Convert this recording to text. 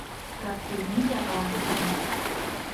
Праз тры дні я палажу канец.